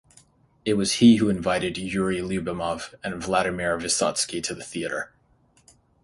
It was he who invited Yuri Lyubimov and Vladimir Vysotsky to the theater.